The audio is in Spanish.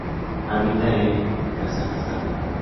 Habita en Kazajistán.